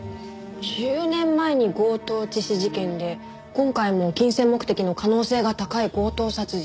１０年前に強盗致死事件で今回も金銭目的の可能性が高い強盗殺人。